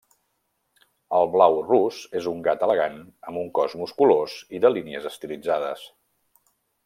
El blau rus és un gat elegant, amb un cos musculós i de línies estilitzades.